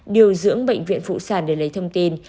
điều dưỡng bệnh viện phụ sản để lấy thông tin